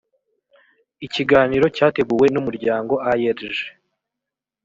ikiganiro cyateguwe n’umuryango aerg